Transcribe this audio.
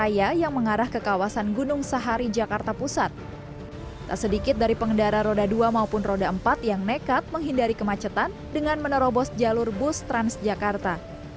yang nekat menghindari kemacetan dengan menerobos jalur bus transjakarta